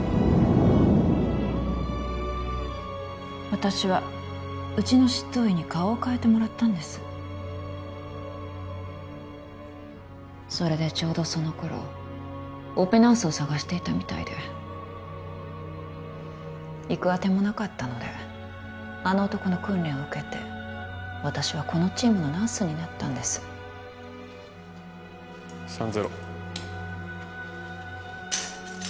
私はうちの執刀医に顔を変えてもらったんですそれでちょうどその頃オペナースを探していたみたいで行くあてもなかったのであの男の訓練を受けて私はこのチームのナースになったんです３−０